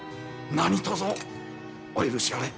何とぞお許しあれ。